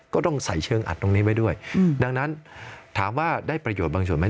ก็ต้องใส่เชิงอัดตรงนี้ไว้ด้วยดังนั้นถามว่าได้ประโยชน์บางส่วนไหม